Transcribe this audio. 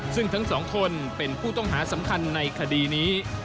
ซึ่งทั้งสองคนเป็นผู้ต้องหาสำคัญในคดีนี้